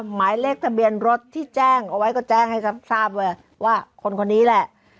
หมายเลขทะเบียนรถที่แจ้งเอาไว้ก็แจ้งให้ทราบเลยว่าคนคนนี้แหละ